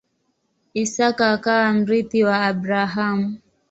Isaka akawa mrithi wa Abrahamu.